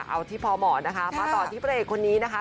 เอาที่พอเหมาะนะคะมาต่อที่พระเอกคนนี้นะคะ